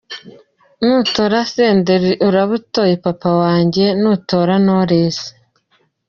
Nutora Senderi uraba utoye papa wanjye, nutora Knowless.